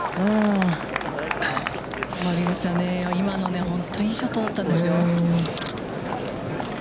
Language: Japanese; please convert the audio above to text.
森口さん、今の本当にいいショットだったんですよ。